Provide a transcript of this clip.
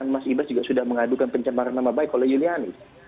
mas ibas juga sudah mengadukan pencemaran nama baik oleh yulianis